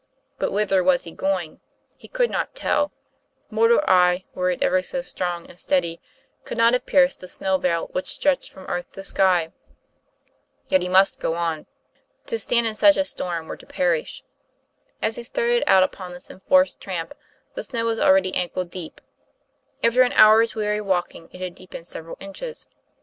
But whither was he going? He could not tell; mortal eye, were it ever so strong and steady, could not have pierced the snow veil which stretched from earth to sky. Yet he must go on. To stand in such a storm were to perish. As he started out upon this enforced tramp, the snow was already ankle deep; after an hour's weary walking it had deepened several inches.